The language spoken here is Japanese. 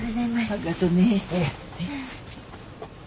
あっがとね。